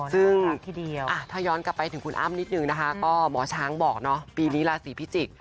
ซึ่งถ้าย้อนกลับไปถึงคุณอ้ำนิดนึงนะคะก็หมอช้างบอกเนาะปีนี้ราศีพิจิกษ